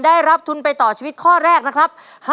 ได้รับทุนไปต่อชีวิตข้อแรกนะครับ